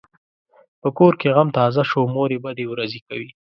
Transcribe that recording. په کور کې غم تازه شو؛ مور یې بدې ورځې کوي.